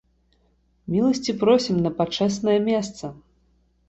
Міласці просім на пачэснае месца.